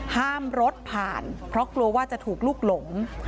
ห้ามรถผ่านเพราะกลัวว่าจะถูกลุกหลง